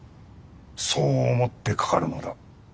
そう思ってかかるのだ。